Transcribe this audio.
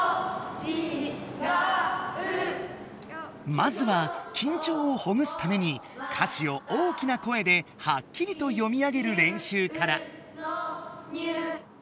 まずはきんちょうをほぐすために歌詞を大きな声ではっきりと読み上げる練習から。